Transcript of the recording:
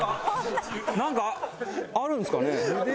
なんかあるんですかね？